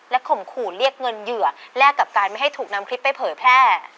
ข่มขู่เรียกเงินเหยื่อแลกกับการไม่ให้ถูกนำคลิปไปเผยแพร่